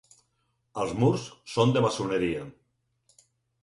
Els murs són de maçoneria.